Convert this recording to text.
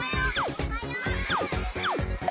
・おはよう！